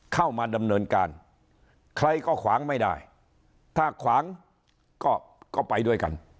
เข้ามาดำเนินการใครก็ขวางไม่ได้ถ้าขวางก็ไปด้วยกัน